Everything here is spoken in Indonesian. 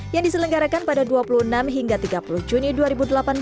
yang diselenggarakan pada dua puluh enam hingga tiga puluh juni dua ribu delapan belas